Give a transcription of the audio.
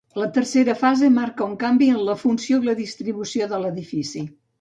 La tercera fase marca un canvi en la funció i la distribució de l'edifici.